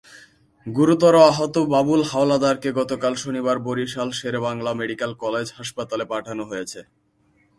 গুরুতর আহত বাবুল হাওলাদারকে গতকাল শনিবার বরিশাল শেরেবাংলা মেডিকেল কলেজ হাসপাতালে পাঠানো হয়েছে।